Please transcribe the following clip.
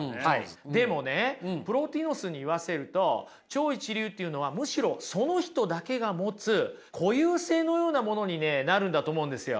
でもねプロティノスに言わせると超一流っていうのはむしろその人だけが持つ固有性のようなものにねなるんだと思うんですよ。